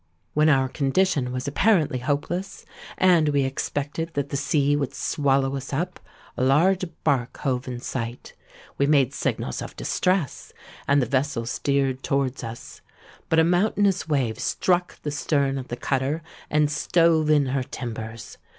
When our condition was apparently hopeless, and we expected that the sea would swallow us up, a large bark hove in sight. We made signals of distress; and the vessel steered towards us. But a mountainous wave struck the stern of the cutter, and stove in her timbers.